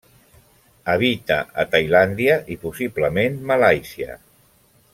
Habita a Tailàndia i possiblement Malàisia.